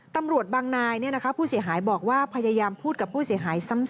ตำรวจบางนายผู้เสียหายบอกว่าพยายามพูดกับผู้เสียหายซ้ำ